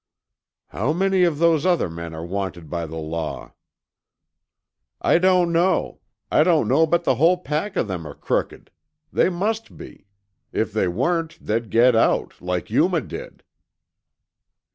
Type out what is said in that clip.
"How many of those other men are wanted by the law?" "I don't know. I don't know but the whole pack of them are crooked. They must be. If they weren't, they'd get out, like Yuma did."